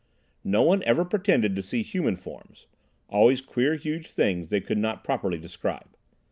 No one ever pretended to see human forms—always queer, huge things they could not properly describe.